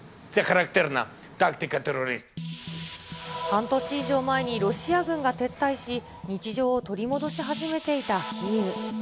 半年以上前にロシア軍が撤退し、日常を取り戻し始めていたキーウ。